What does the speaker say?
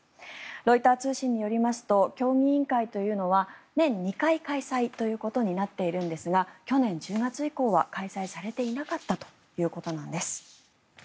ロイター通信によりますと協議委員会というのは年２回開催ということになっているんですが去年１０月以降は開催されていなかったということなんです。